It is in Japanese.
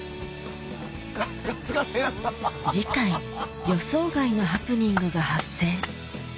次回予想外のハプニングが発生